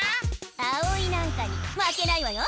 あおいなんかにまけないわよ！